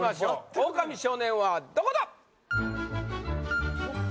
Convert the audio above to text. オオカミ少年はどこだ？